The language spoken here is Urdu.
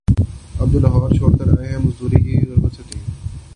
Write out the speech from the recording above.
اب جو لاہور چھوڑ کے آئے ہیں، مزدوری کی غرض سے تین